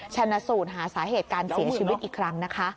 ชนะสูตรหาสาเหตุการเสียชีวิตอีกครั้งนะคะ